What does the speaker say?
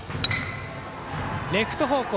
レフト方向。